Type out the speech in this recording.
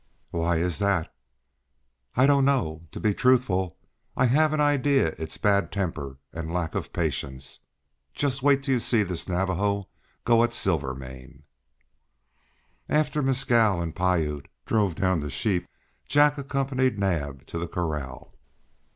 "Why is that?" "I don't know. To be truthful, I have an idea it's bad temper and lack of patience. Just wait till you see this Navajo go at Silvermane!" After Mescal and Piute drove down the sheep, Jack accompanied Naab to the corral.